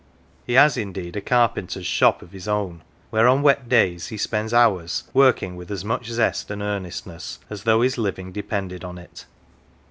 He has indeed a carpenter's " shop " of his own, where on wet days he spends hours, working with as much zest and earnestness as though his living depended on it.